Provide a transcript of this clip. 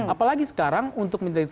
apalagi sekarang untuk